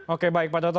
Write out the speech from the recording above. oke baik pak toto